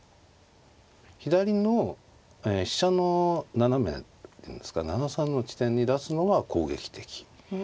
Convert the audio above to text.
左の飛車の斜めっていうんですか７三の地点に出すのは攻撃的。